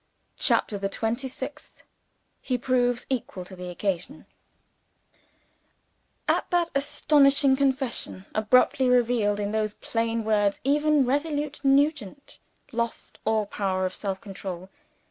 CHAPTER THE TWENTY SIXTH He proves Equal to the Occasion AT that astounding confession, abruptly revealed in those plain words, even resolute Nugent lost all power of self control.